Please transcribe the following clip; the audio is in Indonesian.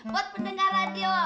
buat pendengar radio